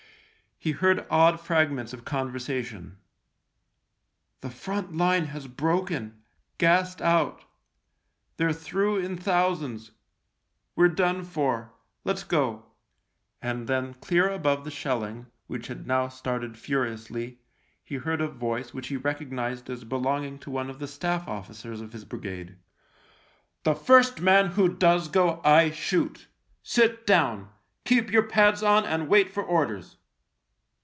He heard odd fragments of conversation :" The front line has broken — gassed out. They're through in thousands — We're done for — Let's go." And then clear above the shell ing, which had now started furiously, he heard a voice which he recognised as be longing to one of the Staff officers of his brigade. " The first man who does go I shoot. Sit down ! Keep your pads on, and wait for orders."